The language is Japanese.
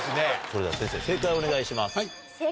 それでは先生正解をお願いします。